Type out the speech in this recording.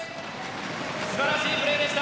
素晴らしいプレーでした。